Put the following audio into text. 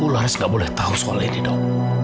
ulu harus gak boleh tahu soal ini dok